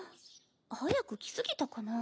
早く来すぎたかな。